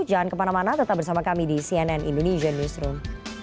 jangan kemana mana tetap bersama kami di cnn indonesia newsroom